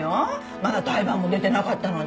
まだ胎盤も出てなかったのに。